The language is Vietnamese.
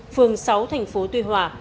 phường sáu thành phố tuy hòa